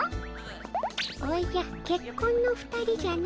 おじゃけっこんの２人じゃの。